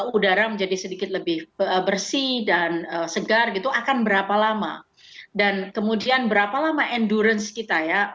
udara menjadi sedikit lebih bersih dan segar gitu akan berapa lama dan kemudian berapa lama endurance kita ya